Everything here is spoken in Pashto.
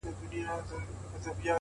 د ژوند رنګونه له لیدلوري بدلېږي،